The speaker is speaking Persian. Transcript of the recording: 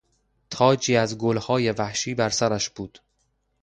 تاجی از گلهای وحشی بر سرش بود.